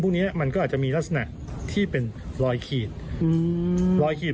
นี้มันก็อาจจะมีลักษณะที่เป็นรอยขีดรอยขีด